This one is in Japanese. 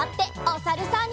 おさるさん。